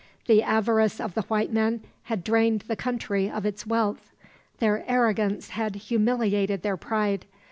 The avarice of the white men had drained the country of its wealth. Their arrogance had humiliated their pride.